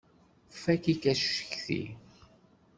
Fakk-ik acetki!